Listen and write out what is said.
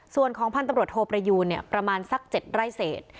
ส่วนของพันธุ์ตำรวจโทประยูนประมาณสัก๗ไร่เศษ